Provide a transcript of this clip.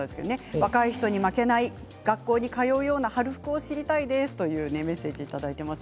若い人に負けない学校に通うような春服を知りたいですというメッセージです。